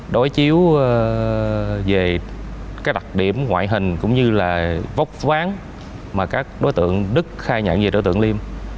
đối chiếu về các đặc điểm ngoại hình cũng như là vóc ván mà các đối tượng đức khai nhận về đối tượng liêm